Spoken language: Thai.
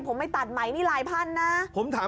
ผมไปตัดใหม่นี่หลายพันนะ